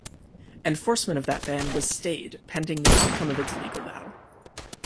Enforcement of that ban was stayed pending the outcome of its legal battle.